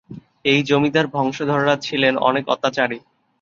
এই জমিদার বংশধররা ছিলেন অনেক অত্যাচারী।